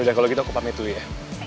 ya kalau gitu aku pamit dulu ya